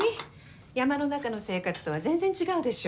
山の中の生活とは全然違うでしょ？